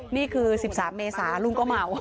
นี่คือ๑๓เมษาลุงก็เมา